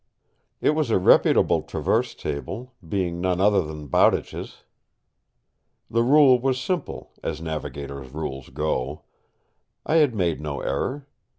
It was a reputable traverse table, being none other than Bowditch's. The rule was simple (as navigators' rules go); I had made no error.